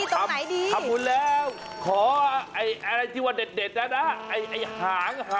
ตรงไหนดีขออาไออะไรที่ว่าเด็ดเด็ดนะน่ะไอไอหางหางน่ะน่ะ